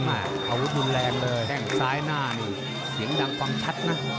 อาวุธรุนแรงเลยแข้งซ้ายหน้านี่เสียงดังฟังชัดนะ